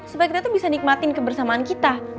supaya kita tuh bisa nikmatin kebersamaan kita